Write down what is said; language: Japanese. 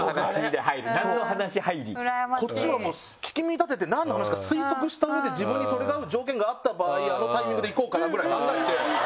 こっちはもう聞き耳立てて何の話か推測したうえで自分にそれが合う条件があった場合あのタイミングでいこうかな？ぐらい考えて。